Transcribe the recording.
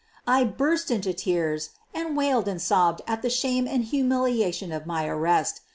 I burst into tears and wailed and sobbed at the shame and humiliation of my arrest.